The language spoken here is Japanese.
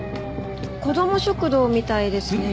子ども食堂みたいですね。